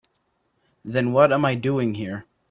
Then what am I doing here?